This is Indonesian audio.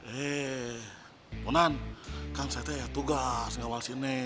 eh menan kan saya tuh ya tugas mengawal sini